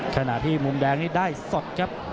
ขณะที่มุมแดงนี่ได้สดครับ